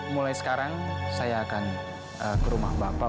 mulai sekarang saya akan ke rumah bapak